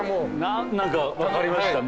何か分かりました。